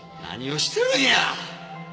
何をしてるんや！